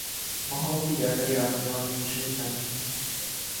মহামতি জাকারিয়া আপনি অনেক বিষয়ই জানেন না।